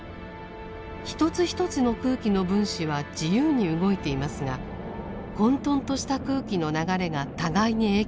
一つ一つの空気の分子は自由に動いていますが混沌とした空気の流れが互いに影響し合い